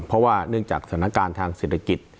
เพราะว่าเนื่องจากสถานการณ์ทางเศรษฐกิจ